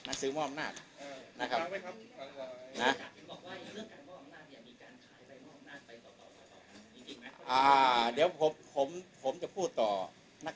ขอขอขอขอขอขอขอขอขอขอขอขอขอขอขอขอขอขอขอ